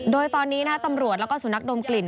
โดยตอนนี้ณตำรวจและสู่นักดมกลิ่น